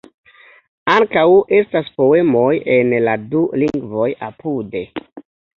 Ankaŭ estas poemoj en la du lingvoj apude.